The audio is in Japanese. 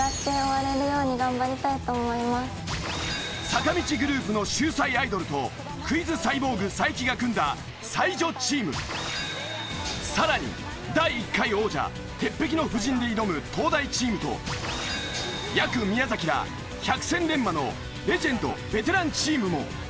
坂道グループの秀才アイドルとクイズサイボーグ才木が組んださらに第１回王者鉄壁の布陣で挑む東大チームとやく宮崎ら百戦錬磨のレジェンドベテランチームも。